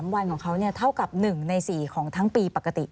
วันของเขาเท่ากับ๑ใน๔ของทั้งปีปกติ